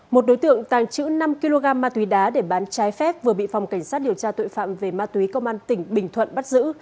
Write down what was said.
một đối tượng tàng trữ năm kg ma túy đá để bán trái phép vừa bị phòng cảnh sát điều tra tội phạm về ma túy công an tỉnh bình thuận bắt giữ